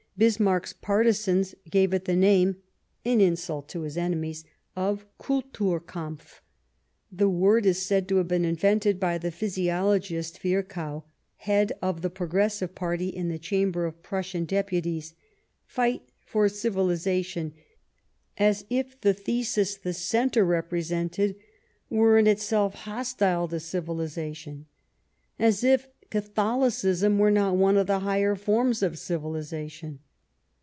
Bismarck's partisans gave it kamof"^*"'"" ^^^ name — an insult to his enemies — of Kulturkampf. The word is said to have been invented by the physiologist Virchow, head of the Progressive Party in the Chamber of Prussian Deputies. " Fight for Civilization "; as if the thesis the Centre represented were in itself hostile to civilization ; as if Catholicism were not one of the higher forms of civilization.